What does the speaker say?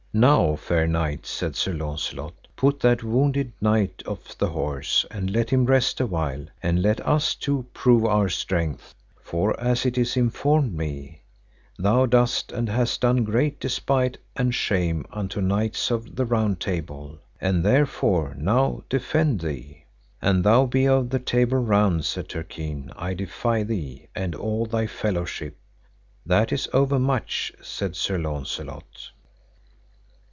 Now, fair knight, said Sir Launcelot, put that wounded knight off the horse, and let him rest awhile, and let us two prove our strengths; for as it is informed me, thou doest and hast done great despite and shame unto knights of the Round Table, and therefore now defend thee. An thou be of the Table Round, said Turquine, I defy thee and all thy fellowship. That is overmuch said, said Sir Launcelot.